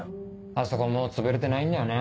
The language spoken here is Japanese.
あそこもうつぶれてないんだよね。